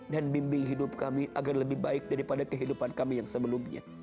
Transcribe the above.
dan bimbing hidup kami agar lebih baik daripada kehidupan kami yang sebelumnya